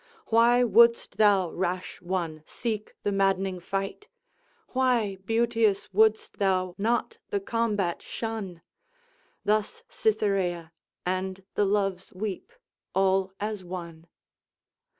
Why wouldst thou, rash one, seek the maddening fight? Why, beauteous, wouldst thou not the combat shun?" Thus Cytherea and the Loves weep, all as one.